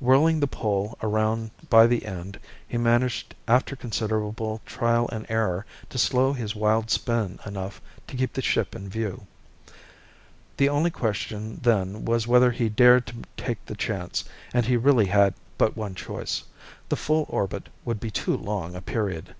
Whirling the pole around by the end, he managed after considerable trial and error, to slow his wild spin enough to keep the ship in view. The only question then was whether he dared to take the chance; and he really had but one choice. The full orbit would be too long a period.